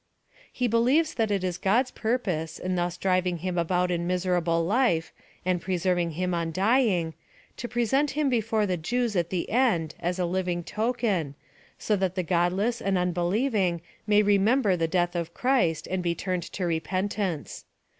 "He believes that it is God's purpose, in thus driving him about in miserable life, and preserving him undying, to present him before the Jews at the end, as a living token, so that the godless and unbelieving may remember the death of Christ, and be turned to repentance.